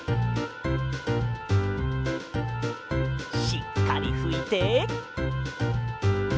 しっかりふいて！